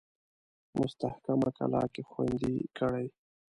مستحکمه کلا کې خوندې کړي.